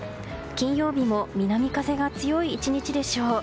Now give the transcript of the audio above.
金曜日も南風が強い１日でしょう。